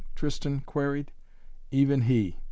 Tristan queried. "Even he!